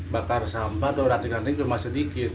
bakar sampah dan ranting ranting cuma sedikit